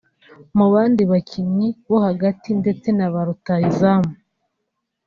Mu bandi bakinnyi bo hagati ndetse na ba rutahizamu